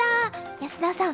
安田さん